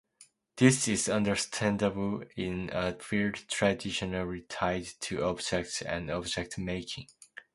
This is understandable in a field traditionally tied to objects and object making.